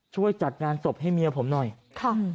ช่วยจัดงานศพให้เมียผมหน่อยค่ะ